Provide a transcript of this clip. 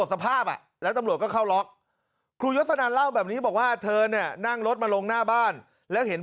จิจิจิจิจิ